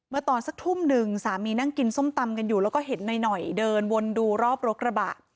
ตอนสักทุ่มหนึ่งสามีนั่งกินส้มตำกันอยู่แล้วก็เห็นหน่อยเดินวนดูรอบรถกระบะ